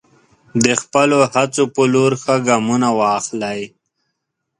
د خپلو هڅو په لور ښه ګامونه واخلئ.